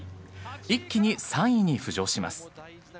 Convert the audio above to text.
一気に３位に浮上します。